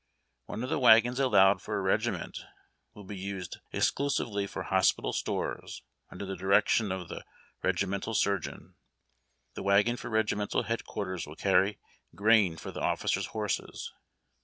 One of the wagons allowed for a regiment will be used excluswely for hospital stores, under the direction of the regi mental sui geon. The wagon for regimental Head Quarters will carry grain for the officers' horses.